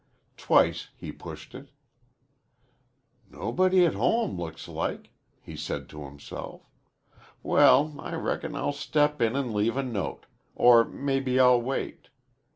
Twice he pushed it. "Nobody at home, looks like," he said to himself. "Well, I reckon I'll step in an' leave a note. Or maybe I'll wait.